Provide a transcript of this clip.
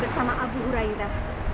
bersama abu uraira